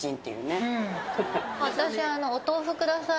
私、お豆腐ください。